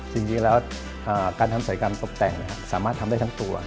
จริงแล้วการทำศัยกรรมตกแต่งสามารถทำได้ทั้งตัว